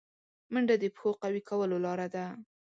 منډه د پښو قوي کولو لاره ده